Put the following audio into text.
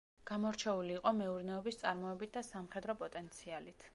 გამორჩეული იყო მეურნეობის წარმოებით და სამხედრო პოტენციალით.